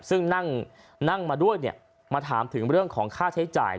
ซึ่งนั่งมาด้วยมาถามถึงเรื่องของค่าใช้จ่าย